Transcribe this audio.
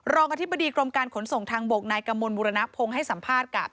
อธิบดีกรมการขนส่งทางบกนายกมลบุรณพงศ์ให้สัมภาษณ์กับ